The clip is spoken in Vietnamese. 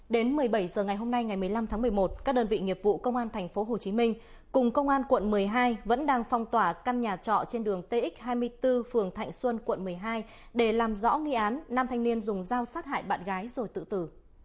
đến một mươi bảy h ngày hôm nay ngày một mươi năm tháng một mươi một các đơn vị nghiệp vụ công an tp hcm cùng công an quận một mươi hai vẫn đang phong tỏa căn nhà trọ trên đường tx hai mươi bốn phường thạnh xuân quận một mươi hai để làm rõ nghi án nam thanh niên dùng dao sát hại bạn gái rồi tự tử